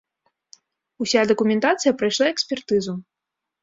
Уся дакументацыя прайшла экспертызу.